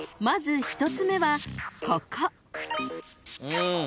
［まず１つ目はここ］